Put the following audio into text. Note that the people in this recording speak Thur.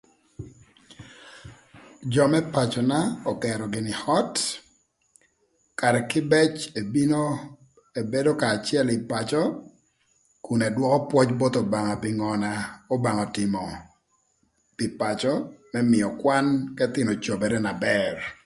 Jö më pacöna ögerö gïnï öt karë kïbëc ebino ebedo kanya acël ï pacö kun ëdwökö pwöc both Obanga pï ngö n'Obanga ötïmö pï pacö më mïö kwan k'ëthïnö cobere na bër